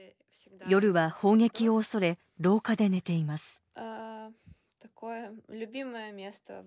夜は砲撃を恐れ廊下で寝ています。